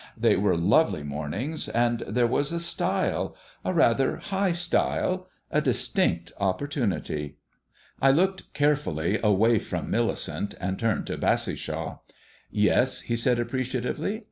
They were lovely mornings, and there was a stile a rather high stile a distinct opportunity." I looked carefully away from Millicent, and turned to Bassishaw. "Yes?" he said appreciatively.